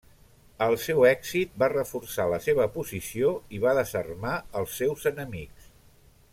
El seu èxit va reforçar la seva posició i va desarmar als seus enemics.